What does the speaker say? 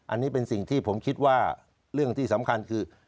อันนี้เป็นสิ่งที่ผมคิดว่าเรื่องที่สำคัญคือ